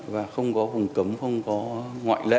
và không có vùng cấm không có ngoại lệ